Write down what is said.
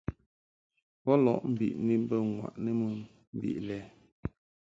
Bo lɔʼ mbiʼni mbə ŋwaʼni mɨ mbiʼ lɛ.